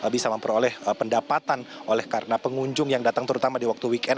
bisa memperoleh pendapatan oleh karena pengunjung yang datang terutama di waktu weekend